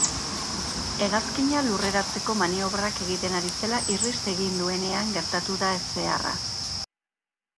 Hegazkina lurreratzeko maniobrak egiten ari zela irrist egin duenean gertatu da ezbeharra.